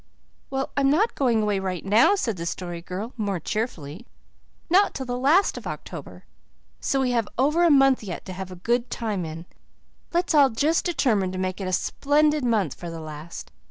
"Well, I'm not going right away," said the Story Girl, more cheerfully. "Not till the last of October. So we have over a month yet to have a good time in. Let's all just determine to make it a splendid month for the last.